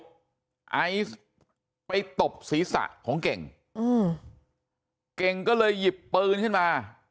ไอซ์ไปตบศีรษะของเก่งอืมเก่งเก่งก็เลยหยิบปืนขึ้นมา